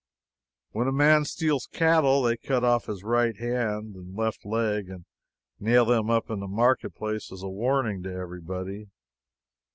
When a man steals cattle, they cut off his right hand and left leg and nail them up in the marketplace as a warning to everybody.